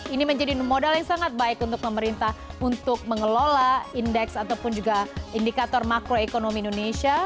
ini menjadi modal yang sangat baik untuk pemerintah untuk mengelola indeks ataupun juga indikator makroekonomi indonesia